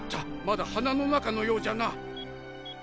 まだ鼻の中のようじゃな。